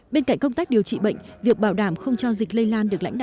bên cạnh công tác điều trị bệnh việc bảo đảm không cho dịch lây lan được lãnh đạo